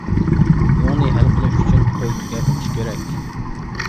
يۇڭنى ھەل قىلىش ئۈچۈن قوي، تۆگە بېقىش كېرەك.